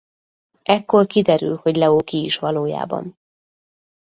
Ekkor kiderül hogy Leo ki is valójában.